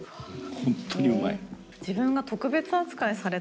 本当にうまい。